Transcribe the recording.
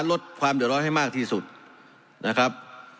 ลดความเดือดร้อนให้มากที่สุดนะครับ